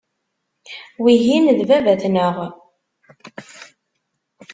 Wihin d baba-tneɣ.